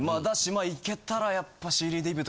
いけたらやっぱ。